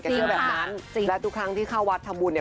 เชื่อแบบนั้นจริงและทุกครั้งที่เข้าวัดทำบุญเนี่ย